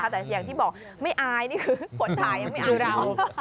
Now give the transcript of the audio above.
แต่อย่างที่บอกไม่อายนี่คือฝนฉายังไม่อายเรา